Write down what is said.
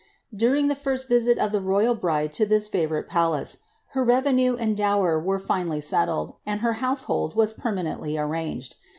During the first visit of the royal bride lo this favourite palace. Iiei revenue and dower were linoUy settled, and her household was perma nently arranged.